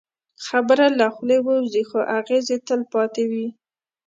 خبره له خولې ووځي، خو اغېز یې تل پاتې وي.